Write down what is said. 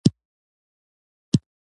منډه د ځان ثبوت دی